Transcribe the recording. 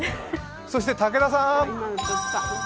そして武田さん。